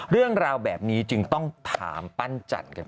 เรื่องราวแบบนี้จึงต้องถามปั้นจันทร์กัน